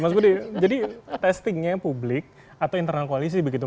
mas budi jadi testingnya publik atau internal koalisi begitu